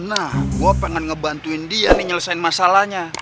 nah gue pengen ngebantuin dia nih nyelesain masalahnya